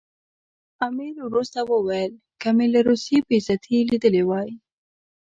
امیر وروسته وویل که مې له روسیې بې عزتي لیدلې وای.